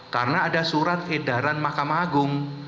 karena ada surat edaran mahkamah agung